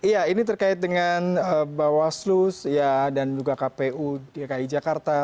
ya ini terkait dengan bawaslu dan juga kpu dki jakarta